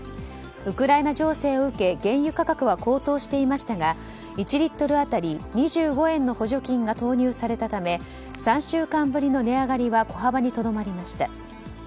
ウクライナ情勢を受け原油価格は高騰していましたが１リットル当たり２５円の補助金が投入されたため３週間ぶりの値上がりは小幅に留まりました。